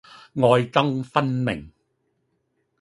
愛憎分明